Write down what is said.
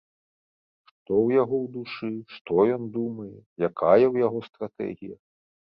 Што ў яго ў душы, што ён думае, якая ў яго стратэгія?